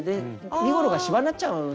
身ごろがしわになっちゃうんですね。